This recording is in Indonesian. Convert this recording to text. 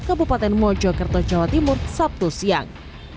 kabupaten mojo kerto jawa timur sabtu siang